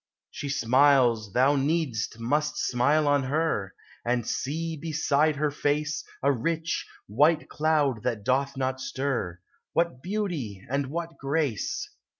She smiles; thou need'st must smile on her. And see, beside her face, A rich, white cloud that doth not stir: What beauty, and what grace!